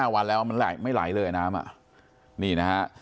วันแล้วมันไหลไม่ไหลเลยน้ำอ่ะนี่นะฮะ